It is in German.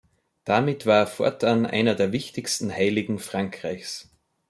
Damit war er fortan einer der wichtigsten Heiligen Frankreichs.